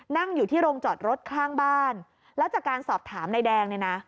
นั่งอยู่ที่โรงจอดรถข้างบ้านแล้วจากการสอบถามนายแดงเนี่ยนะ